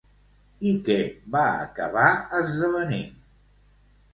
I què va acabar esdevenint?